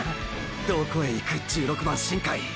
どこへいく１６番新開！